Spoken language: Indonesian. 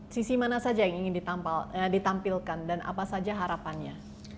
sisi mana saja yang ingin ditampilkan dan apa saja harapannya